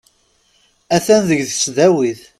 Atan deg tesdawit.